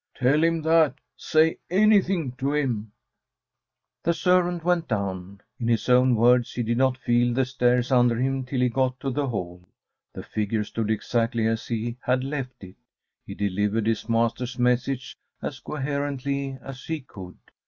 Tell him that! Say anything to him." The servant went down. In his own words, he did not feel the stairs under him till he got to the hall. The figure stood exactly as he had left it. He delivered his master's message as coherently as he could.